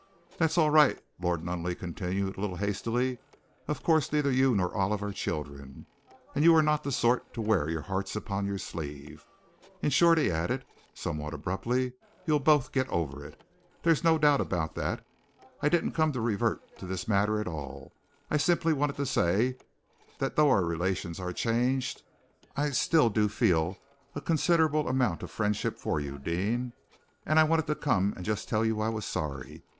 "That's all right," Lord Nunneley continued, a little hastily. "Of course, neither you nor Olive are children, and you are not the sort to wear your hearts upon your sleeve. In short," he added, somewhat abruptly, "you'll both get over it. There's no doubt about that. I didn't come to revert to this matter at all. I simply wanted to say that though our relations are changed, I still do feel a considerable amount of friendship for you, Deane, and I wanted to come and just tell you I was sorry.